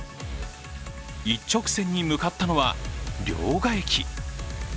一直線に向かったのは、両替機。